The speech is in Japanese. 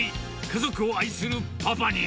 家族を愛するパパに。